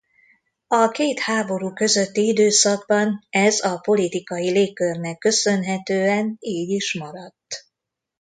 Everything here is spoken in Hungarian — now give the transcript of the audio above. A két háború közötti időszakban ez a politikai légkörnek köszönhetően így is maradt.